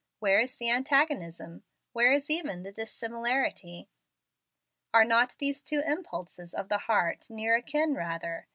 Where is the antagonism? Where is even the dissimilarity? Are not these two impulses of the heart near akin, rather?